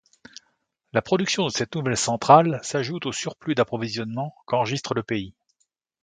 La production de cette nouvelle centrale s'ajoute aux surplus d'approvisionnement qu'enregistre le pays.